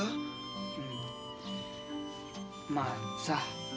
まあさ